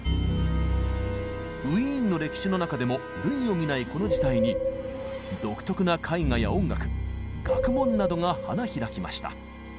ウィーンの歴史の中でも類を見ないこの時代に独特な絵画や音楽学問などが花開きました。